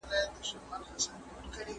هغه خلک چې په بازار کې ګرځي.